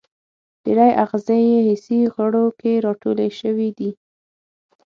ډیری آخذې په حسي غړو کې راټولې شوي دي.